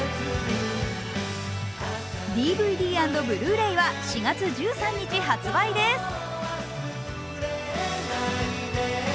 ＤＶＤ＆ブルーレイは４月１３日発売です。